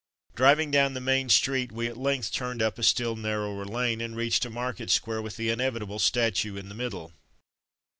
'' Driving down the main street we at length turned up a still narrower lane, and reached a market square with the inevitable statue in the middle.